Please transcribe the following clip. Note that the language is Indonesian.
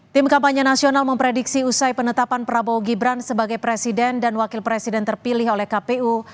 tim kampanye nasional memprediksi usai penetapan prabowo gibran sebagai presiden dan wakil presiden terpilih oleh kpu